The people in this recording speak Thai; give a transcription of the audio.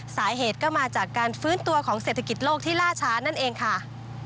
สาเหตุก็มาจากการฟื้นตัวของเศรษฐกิจโลกที่ล่าช้านั่นเองค่ะ